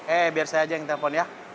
eh biar saya aja yang telpon ya